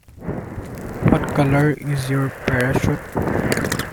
What colour is your parachute?